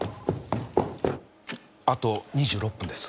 あと２６分です。